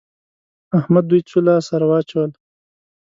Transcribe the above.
احمد دوی څو لاس سره واچول؟